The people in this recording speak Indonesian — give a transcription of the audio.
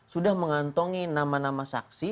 sudah mengantongi nama nama saksi